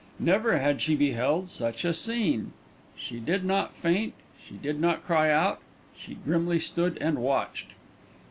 Never had she beheld such a scene. She did not faint, she did not cry out, she grimly stood and watched.